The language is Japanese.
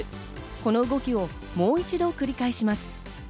この動きをもう一度繰り返します。